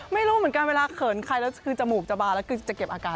ไม่รู้เหมือนกันเวลาเขือนใครกลัวจมูกน้ำปลาแล้วเอาเป็นก็จะเก็บอาการ